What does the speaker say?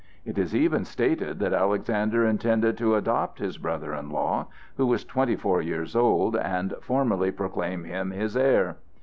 It is even stated that Alexander intended to adopt this brother in law, who was twenty four years old, and formally proclaim him his heir.